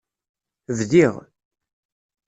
Bdiɣ.